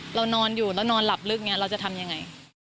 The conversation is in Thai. เรานอนอยู่เรานอนหลับลึกเราจะทำอย่างไร